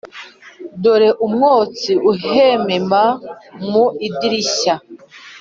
dore umwotsi uhemema mu idirishya.